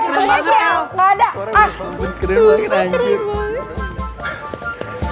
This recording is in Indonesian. orang udah panggil keren banget